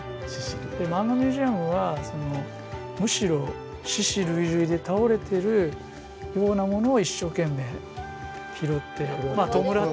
マンガミュージアムはむしろ死屍累々で倒れてるようなものを一生懸命拾ってまあ弔ってる。